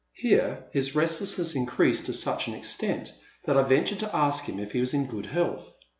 Here his restlessness increased to such an extent that I ventured to ask him if he was in good health.